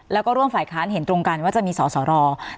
แล้วก็ร่วมฝ่ายค้านเห็นตรงกันว่าจะมีสอสอรอ